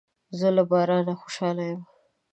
زه له بارانه خوشاله یم.